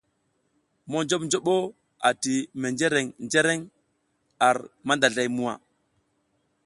Monjoɓnjoɓo ati menjreŋ njǝraŋ ar mandazlay muwa.